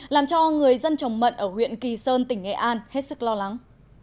làm cho người dân trồng mận ở huyện kỳ sơn tỉnh nghệ an hết sức lo lắng